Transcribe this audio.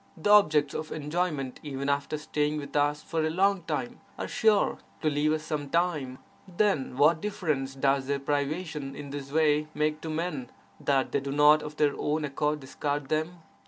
The objects of enjoyment, even after staying with us for a long time, are sure to leave us sometime; then what difference does their privation in this way make to men, that they do not of their own accord discard them?